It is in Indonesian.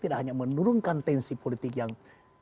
tidak hanya menurunkan tensi politik yang